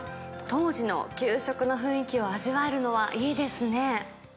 当時の給食の雰囲気を味わえるのはいいですね。